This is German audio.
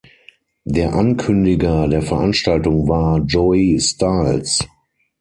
Der Ankündiger der Veranstaltung war Joey Styles.